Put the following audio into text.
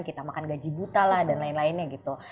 kita makan gaji buta lah dan lain lainnya gitu